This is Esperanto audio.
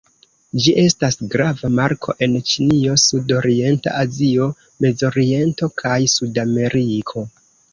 Ĝi estas grava marko en Ĉinio, Sud-Orienta Azio, Mezoriento kaj Sudameriko.